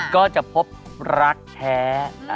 ก็จะพบรักแท้